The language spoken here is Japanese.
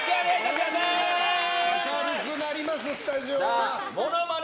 明るくなりますね、スタジオ。モノマネ